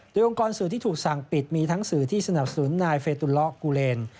โดยองค์กรสื่อที่ถูกสั่งปิดมีทั้งสื่อที่สนับสนุนนายเฟตุลากูเลน